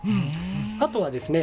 あとはですね